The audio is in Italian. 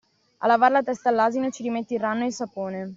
A lavar la testa all'asino ci rimetti il ranno e il sapone.